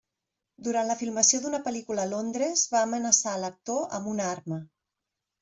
Durant la filmació d'una pel·lícula a Londres, va amenaçar a l'actor amb una arma.